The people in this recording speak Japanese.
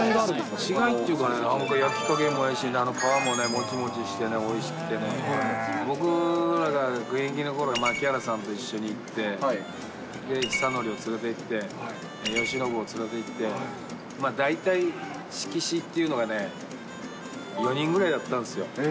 違いっていうか、焼きもおいしいし、いいし、皮もね、もちもちしておいしくてね、僕らが現役のころ、槇原さんと一緒に行って、尚成を連れていって、由伸を連れていって、大体、色紙っていうのがね、４人ぐらいだったんですよ。